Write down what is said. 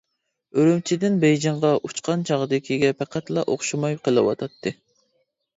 ئۈرۈمچىدىن بېيجىڭغا ئۇچقان چاغدىكىگە پەقەتلا ئوخشىماي قېلىۋاتاتتىم.